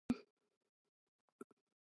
おっふオラドラえもん